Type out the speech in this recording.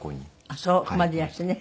あっそう。までいらしてね。